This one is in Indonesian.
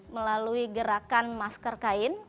melalui gerakan masker kain